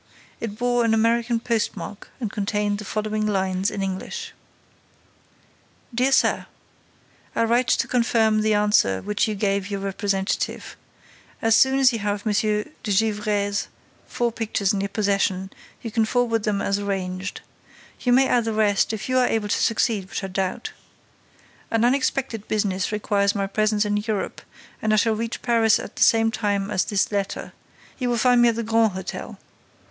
It bore an American postmark and contained the following lines, in English: DEAR SIR: I write to confirm the answer which I gave your representative. As soon as you have M. de Gesvres's four pictures in your possession, you can forward them as arranged. You may add the rest, if you are able to succeed, which I doubt. An unexpected business requires my presence in Europe and I shall reach Paris at the same time as this letter. You will find me at the Grand Hôtel.